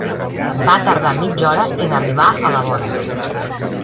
Va tardar mitja hora en arribar a la vora.